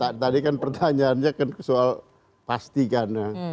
jadi gini tadi kan pertanyaannya kan soal pasangan